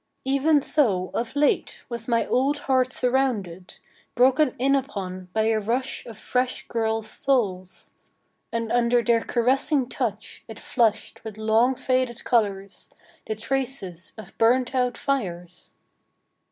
Even so of late was my old heart surrounded, broken in upon by a rush of fresh girls' souls ... and under their caressing touch it flushed with long faded colours, the traces of burnt out fires